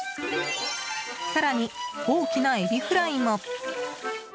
更に、大きなエビフライも。